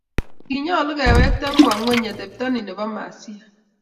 Kinyalu kewekte kwo ingweny atepto ni nebo masiha